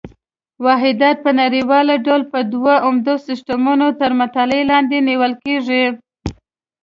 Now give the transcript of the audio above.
واحدات په نړیوال ډول په دوه عمده سیسټمونو تر مطالعې لاندې نیول کېږي.